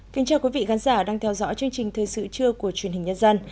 chào mừng quý vị đến với bộ phim thời sự trưa của chuyên hình nhân dân